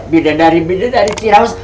bidan dari bidan dari ciraus